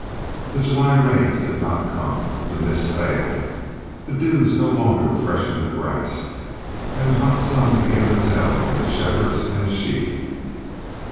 The July rains did not come; the mists failed; the dews no longer freshened the grass, and the hot sun began to tell on shepherds and sheep.